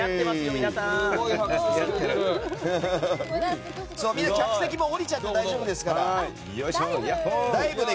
みんな、客席も降りちゃって大丈夫ですから。